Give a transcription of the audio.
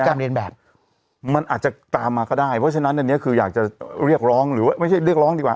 การเรียนแบบมันอาจจะตามมาก็ได้เพราะฉะนั้นอันนี้คืออยากจะเรียกร้องหรือว่าไม่ใช่เรียกร้องดีกว่า